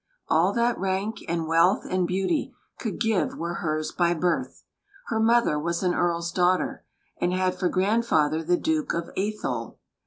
All that rank and wealth and beauty could give were hers by birth. Her mother was an Earl's daughter, and had for grandfather the Duke of Atholl.